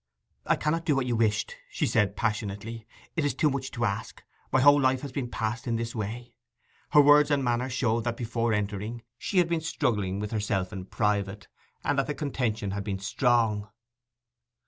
'I cannot do what you wished!' she said passionately. 'It is too much to ask. My whole life ha' been passed in this way.' Her words and manner showed that before entering she had been struggling with herself in private, and that the contention had been strong.